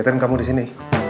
zaten kamu disini